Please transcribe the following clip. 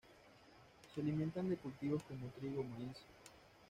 Se alimentan de cultivos como trigo o maíz.